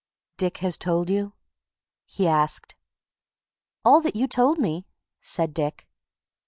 "Dick has told you?" he asked. "All that you told me," said Dick.